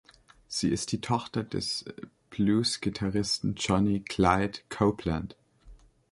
Sie ist die Tochter des Blues-Gitarristen Johnny „Clyde“ Copeland.